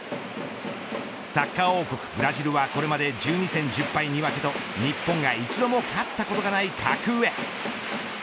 サッカー王国ブラジルはこれまで１２戦１０敗２分けと日本がまだ一度も勝ったことのない格上。